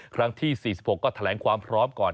ครั้งที่๔๖ก็แถลงความพร้อมก่อน